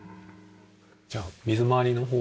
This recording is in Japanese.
じゃあ水回りの方に。